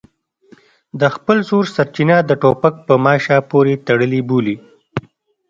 د خپل زور سرچینه د ټوپک په ماشه پورې تړلې بولي.